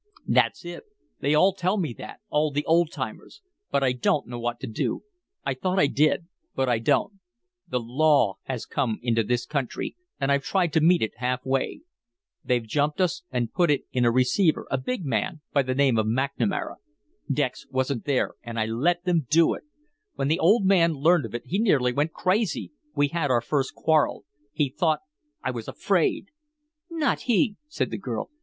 "That's it! They all tell me that all the old timers; but I don't know what to do. I thought I did but I don't. The law has come into this country and I've tried to meet it half way. They jumped us and put in a receiver a big man by the name of McNamara. Dex wasn't there and I let them do it. When the old man learned of it he nearly went crazy. We had our first quarrel. He thought I was afraid " "Not he," said the girl.